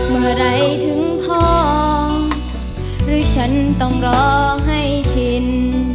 เมื่อไหร่ถึงพองหรือฉันต้องรอให้ชิน